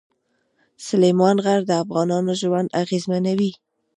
سلیمان غر د افغانانو ژوند اغېزمنوي.